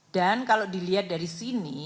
dan kalau dilihat dari sini